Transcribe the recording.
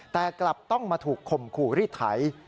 แต่กลับต้องมาถูกข่มขู่รีดไถ